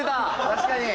確かに！